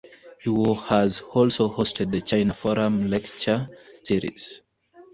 He has also hosted the "China Forum" lecture series.